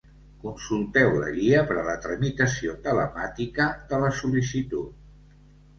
Consulteu la Guia per a la tramitació telemàtica de la sol·licitud.